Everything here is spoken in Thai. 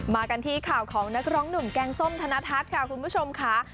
มากันที่ข่าวของนักร้องหนุ่มแกงส้มธนทัศน์ค่ะคุณผู้ชมค่ะ